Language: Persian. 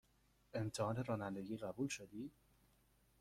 امتحان رانندگی قبول شدی؟